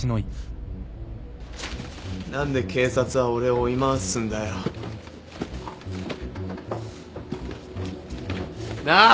何で警察は俺を追い回すんだよ。なあ！？